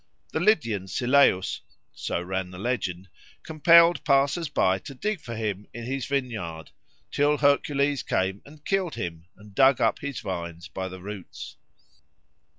The Lydian Syleus, so ran the legend, compelled passers by to dig for him in his vineyard, till Hercules came and killed him and dug up his vines by the roots.